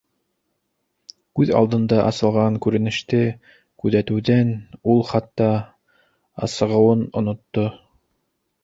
Күҙ алдында асылған күренеште күҙәтеүҙән ул хатта асығыуын онотто.